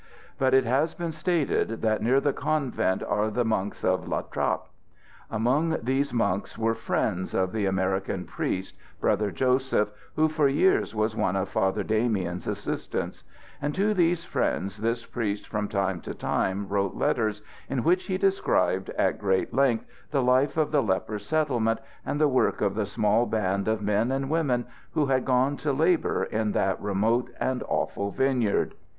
But it has been stated that near the convent are the monks of La Trappe. Among these monks were friends of the American priest, Brother Joseph, who for years was one of Father Damien's assistants; and to these friends this priest from time to time wrote letters, in which he described at great length the life of the leper settlement and the work of the small band of men and women who had gone to labor in that remote and awful vineyard.